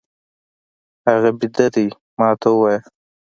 هغه ويده دی، ما ته ووايه!